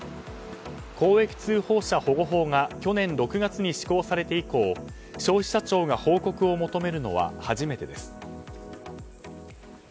公益通報者保護法が去年６月に施行されて以降消費者庁が報告を求めるのは初めてです。